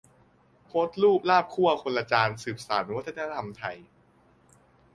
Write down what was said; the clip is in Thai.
โพสต์รูปลาบคั่วคนละจานสืบสานวัฒนธรรมไทย